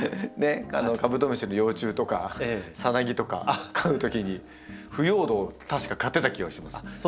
カブトムシの幼虫とかサナギとか飼うときに腐葉土を確か買ってた気がします。